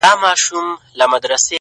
• گوره را گوره وه شپوږمۍ ته گوره؛